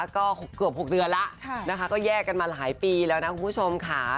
ก็เกือบ๖เดือนแล้วนะคะก็แยกกันมาหลายปีแล้วนะคุณผู้ชมค่ะ